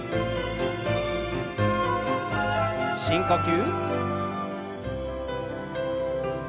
深呼吸。